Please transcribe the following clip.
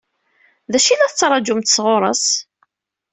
D acu i la tettṛaǧumt sɣur-s?